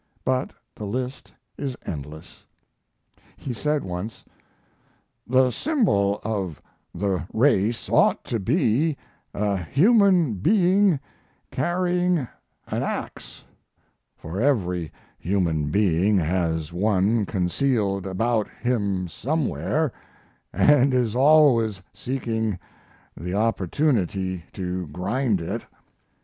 But the list is endless. He said once: "The symbol of the race ought to be a human being carrying an ax, for every human being has one concealed about him somewhere, and is always seeking the opportunity to grind it."